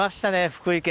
福井県。